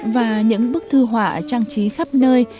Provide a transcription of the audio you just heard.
và những bức thư họa trang trí khắp nơi